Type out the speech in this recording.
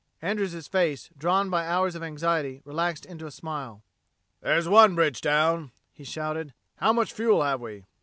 Andrews' face, drawn by hours of anxiety, relaxed into a smile. "There's one bridge down!" he shouted. "How much fuel have we?"